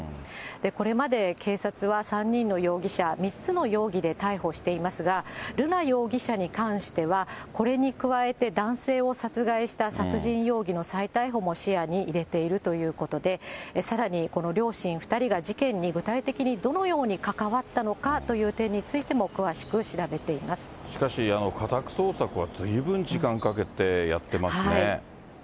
これまで警察は３人の容疑者、３つの容疑で逮捕していますが、瑠奈容疑者に関しては、これに加えて、男性を殺害した殺人容疑の再逮捕も視野に入れているということで、さらに、この両親２人が事件に具体的にどのように関わったのかという点にしかし、家宅捜索はずいぶん時間かけてやってますね。